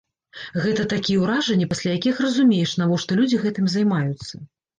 Гэта такія ўражанні, пасля якіх разумееш, навошта людзі гэтым займаюцца.